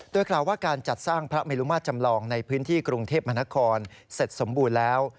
โดยกล่าวว่าการจัดสร้างพระเมลุมาตรจำลองในพื้นที่กรุงเทพมหานครเสร็จสมบูรณ์แล้ว